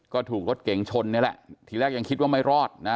ก็ถูกรถเก่งชนนี่แหละทีแรกยังคิดว่าไม่รอดนะ